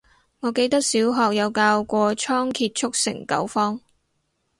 我記得小學有教過倉頡速成九方